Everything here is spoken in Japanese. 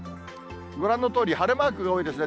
ご覧のとおり、晴れマークが多いですね。